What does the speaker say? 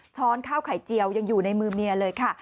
ข้าวไข่เจียวยังอยู่ในมือเมียเลยค่ะ